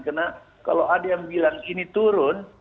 karena kalau ada yang bilang ini turun